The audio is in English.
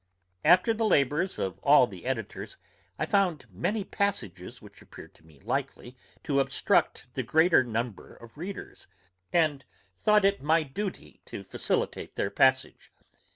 After the labours of all the editors, I found many passages which appeared to me likely to obstruct the greater number of readers, and thought it my duty to facilitate their passage.